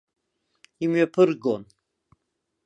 Имҩаԥыргон.